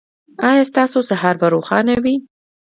ایا ستاسو سهار به روښانه وي؟